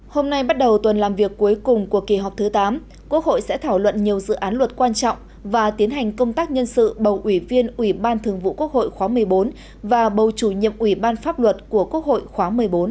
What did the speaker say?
hôm nay bắt đầu tuần làm việc cuối cùng của kỳ họp thứ tám quốc hội sẽ thảo luận nhiều dự án luật quan trọng và tiến hành công tác nhân sự bầu ủy viên ủy ban thường vụ quốc hội khóa một mươi bốn và bầu chủ nhiệm ủy ban pháp luật của quốc hội khóa một mươi bốn